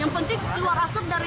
yang penting keluar asap dari